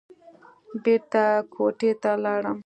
بېرته کوټې ته لاړم.